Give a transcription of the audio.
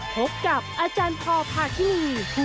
สวัสดีค่ะ